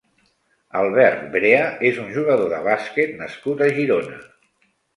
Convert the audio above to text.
Albert Brea és un jugador de bàsquet nascut a Girona.